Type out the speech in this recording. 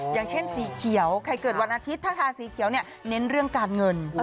อย่างเช่นสีเขียวใครเกิดวันอาทิตย์ถ้าทาสีเขียวเนี่ยเน้นเรื่องการเงิน